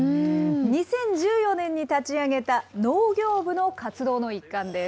２０１４年に立ち上げた農業部の活動の一環です。